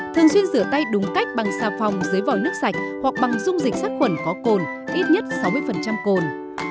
thường xuyên rửa tay đúng cách bằng xà phòng dưới vòi nước sạch hoặc bằng dung dịch sát khuẩn có cồn ít nhất sáu mươi cồn